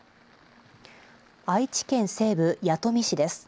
愛知県西部、弥富市です。